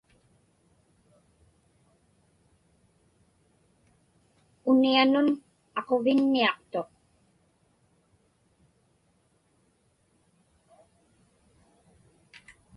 Unianun aquvinniaqtuq.